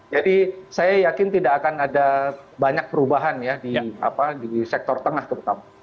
jadi saya yakin tidak akan ada banyak perubahan ya di sektor tengah terutama